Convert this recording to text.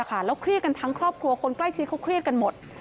แล้วเครียดกันทั้งครอบครัวคนใกล้ชิดเขาเครียดกันหมด